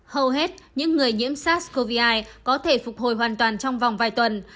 hầu hết những người nhiễm sars cov hai có thể phục hồi hoàn toàn trong vòng vài tuần